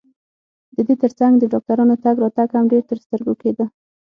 د دې ترڅنګ د ډاکټرانو تګ راتګ هم ډېر ترسترګو کېده.